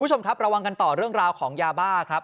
คุณผู้ชมครับระวังกันต่อเรื่องราวของยาบ้าครับ